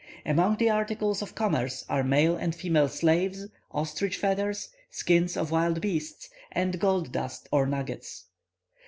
Among the articles of commerce are male and female slaves, ostrich feathers, skins of wild beasts, and gold dust or nuggets.